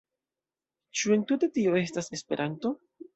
Ĉu entute tio estas Esperanto?